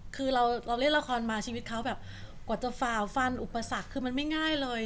คือเราเล่นละครมาชีวิตเขาแบบกว่าจะฝ่าฟันอุปสรรคคือมันไม่ง่ายเลย